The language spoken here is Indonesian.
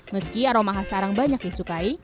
meski aroma khas sarang banyak disukai